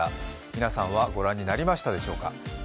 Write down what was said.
皆さんはご覧になりましたでしょうか。